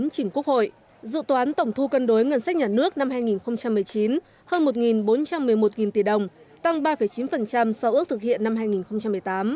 dự toán tổng thu cân đối ngân sách nhà nước năm hai nghìn một mươi chín hơn một bốn trăm một mươi một tỷ đồng tăng ba chín so ước thực hiện năm hai nghìn một mươi tám